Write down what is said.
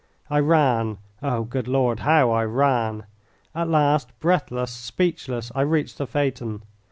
I ran oh, good Lord, how I ran! At last, breathless, speechless, I reached the phaeton.